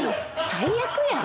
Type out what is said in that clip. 最悪やん。